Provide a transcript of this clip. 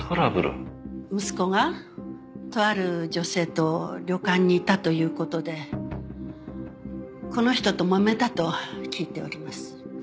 息子がとある女性と旅館にいたという事でこの人ともめたと聞いております。